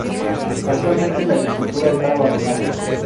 Actualmente la agricultura esta abandonada.